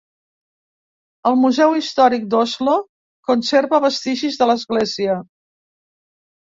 El Museu Històric d'Oslo conserva vestigis de l'església.